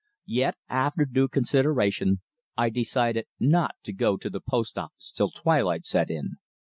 Yet, after due consideration, I decided not to go to the post office till twilight set in.